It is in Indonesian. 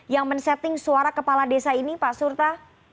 yang men setting suara kepala desa ini pak surta